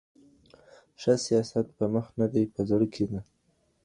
ښایست په مخ نه دی په زړه کې د